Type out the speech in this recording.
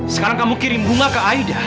sekarang kamu kirim bunga ke aida